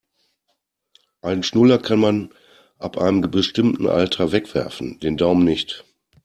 Einen Schnuller kann man ab einem bestimmten Alter wegwerfen, den Daumen nicht.